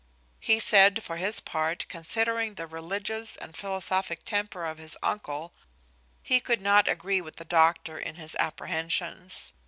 He said, for his part, considering the religious and philosophic temper of his uncle, he could not agree with the doctor in his apprehensions.